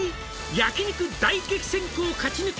「焼肉大激戦区を勝ち抜き」